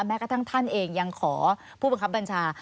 แม้กระทั่งท่านเองยังขอผู้บังคับบัญชา